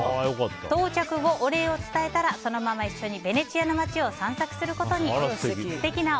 到着後、お礼を伝えたらそのまま一緒にベネチアの街を散策することに。